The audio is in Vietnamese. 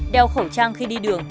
đeo khẩu trang khi đi đường